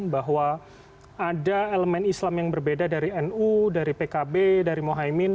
bahwa ada elemen islam yang berbeda dari nu dari pkb dari mohaimin